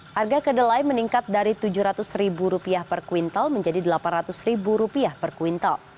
harga kedelai meningkat dari rp tujuh ratus per kuintal menjadi rp delapan ratus per kuintal